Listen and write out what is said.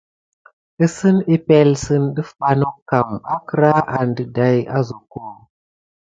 Kisin epəŋle sine def ba nokan əkəra a dayi asokob.